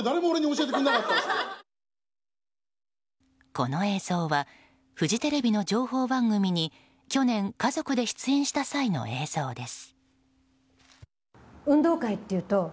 この映像はフジテレビの情報番組に去年家族で出演した際の映像です。